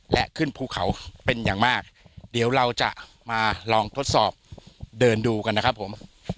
และขึ้นภูเขาเป็นอย่างมากเดี๋ยวเราจะมาลองทดสอบเดินดูกันนะครับผม